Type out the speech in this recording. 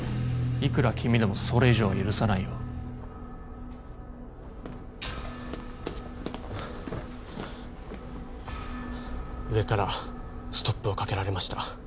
いくら君でもそれ以上は許さないよ上からストップをかけられました